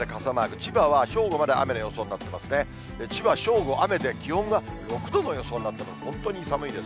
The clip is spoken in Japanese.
千葉、正午雨で気温が６度の予想になっています。